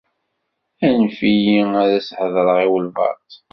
Anef-iyi ad s-heḍṛeɣ i walebɛaḍ.